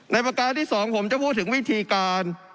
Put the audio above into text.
ประการที่๒ผมจะพูดถึงวิธีการ